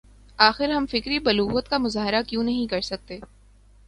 آخر ہم فکری بلوغت کا مظاہرہ کیوں نہیں کر سکتے ہیں؟